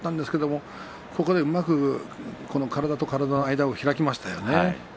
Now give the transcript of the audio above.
もうまく体と体の間を開きましたよね。